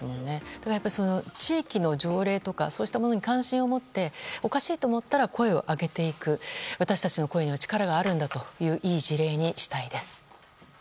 ただ、地域の条例とかそうしたものに関心を持っておかしいと思ったら声を上げていく私たちの声には力があるんだという、いい事例にしたいです。